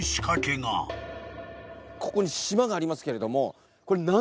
ここに島がありますけれども。